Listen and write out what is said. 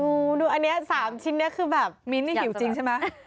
ดูอันนี้๓ชิ้นนี้คือแบบมิ้นนี่หิวจริงใช่ไหม